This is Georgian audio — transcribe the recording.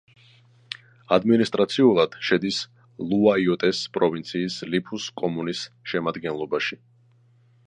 ადმინისტრაციულად შედის ლუაიოტეს პროვინციის ლიფუს კომუნის შემადგენლობაში.